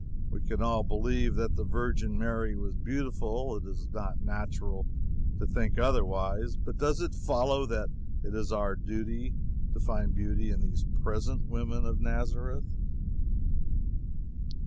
We can all believe that the Virgin Mary was beautiful; it is not natural to think otherwise; but does it follow that it is our duty to find beauty in these present women of Nazareth?